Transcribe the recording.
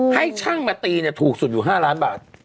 ให้ช่างมาตีถูกสุดอยู่๕ล้านบาท